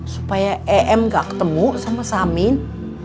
supaya em gak ketemu sama samin